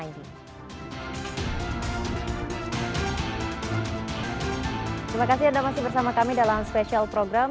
terima kasih anda masih bersama kami dalam spesial program